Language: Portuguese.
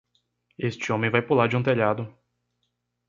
Este homem vai pular de um telhado.